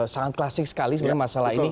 sangat klasik sekali sebenarnya masalah ini